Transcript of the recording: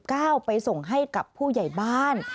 ไปส่งให้กับผู้ใหญ่บ้าน